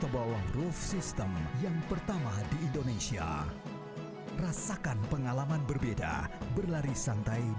malam malam ku makan malam seribu bintang